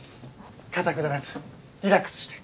固くならずリラックスして。